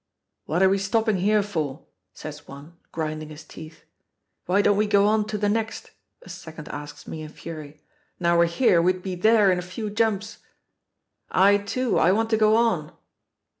"What are we stopping here for?" says one, grinding his teeth. "Why don't we go on to the next?" a second asks me in fury. "Now we're here, we'd be there in a few jumps!' "I, too, I want to go on."